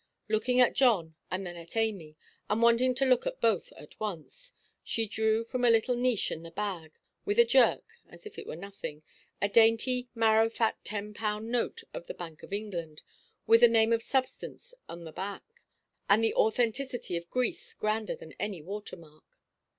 Looking at John and then at Amy, and wanting to look at both at once, she drew from a little niche in the bag, with a jerk (as if it were nothing) a dainty marrowfat ten–pound note of the Bank of England, with a name of substance upon the back, and an authenticity of grease grander than any water–mark.